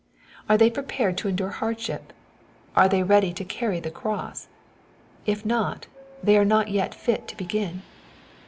— Are they prepared to endure hardship ? Are they ready to carry the cross ? If not, they are not yet fit to begin.